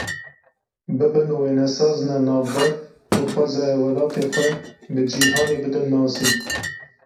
Bibin wênesazine navdar û xwezaya welatê xwe bi cîhanê bidin nasîn!